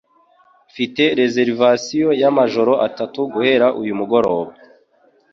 Mfite reservation yamajoro atatu guhera uyu mugoroba.